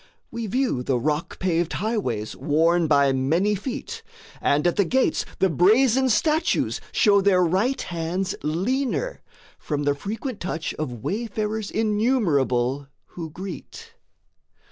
We view The rock paved highways worn by many feet; And at the gates the brazen statues show Their right hands leaner from the frequent touch Of wayfarers innumerable who greet.